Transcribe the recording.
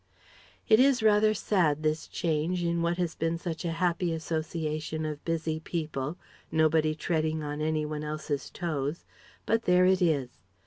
It is rather sad this change in what has been such a happy association of busy people, nobody treading on any one else's toes; but there it is!